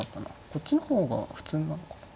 こっちの方が普通なのかな。